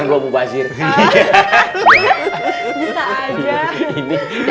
ada punya kemarin gak tiga